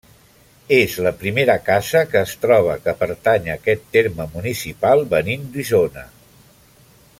És la primera casa que es troba que pertany a aquest terme municipal venint d'Isona.